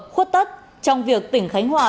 khuất tất trong việc tỉnh khánh hòa